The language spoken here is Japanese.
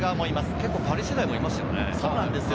結構パリ世代もいますよね。